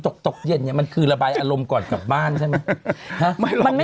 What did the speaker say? ตกตกเย็นเนี่ยมันคือระบายอารมณ์ก่อนกลับบ้านใช่ไหม